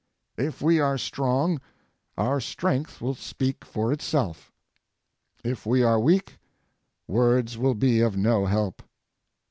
If we are strong, our strength will speak for itself. If we are weak, words will be of no help.